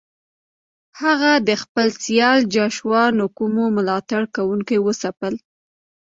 هغه د خپل سیال جاشوا نکومو ملاتړ کوونکي وځپل.